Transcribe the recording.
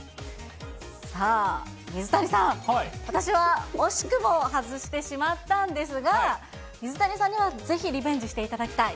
さあ、水谷さん、私は惜しくも外してしまったんですが、水谷さんにはぜひリベンジしていただきたい。